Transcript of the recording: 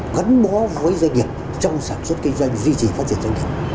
gắn bó với doanh nghiệp trong sản xuất kinh doanh duy trì phát triển doanh nghiệp